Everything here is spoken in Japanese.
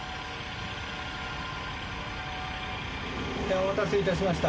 「お待たせいたしました」